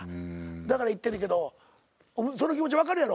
だから行ってんねんけどその気持ち分かるやろ？